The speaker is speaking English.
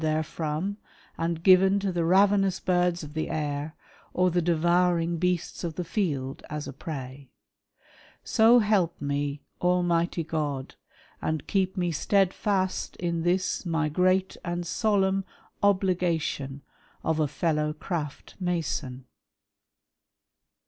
'^ therefrom, and given to the ravenous birds of the air, or the '' devouring beasts of the field, as a prey : So help me Almighty " God, and keep me steadfast in this my great and solemn "obligation of a Fellow Craft Mason."